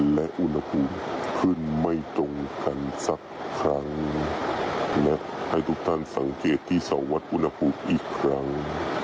และอุณหภูมิขึ้นไม่ตรงกันสักครั้งและให้ทุกท่านสังเกตที่สวรรค์อุณหภูมิอีกครั้ง